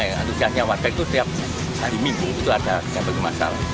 yang antusiasnya warga itu setiap hari minggu itu ada yang bagi masalah